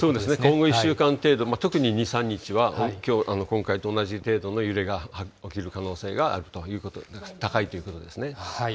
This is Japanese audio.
今後１週間程度、特に２、３日は、今回と同じ程度の揺れが起きる可能性が高いということですね。